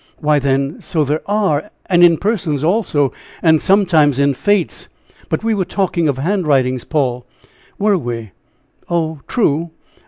"Why, then, so there are and in persons, also; and sometimes in fates; but we were talking of handwritings, Paul." "Were we? Oh, true.